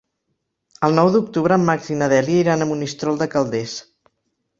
El nou d'octubre en Max i na Dèlia iran a Monistrol de Calders.